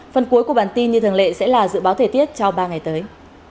phần cuối của bản tin như thường lệ sẽ là dự báo thể tiết cho ba ngày tới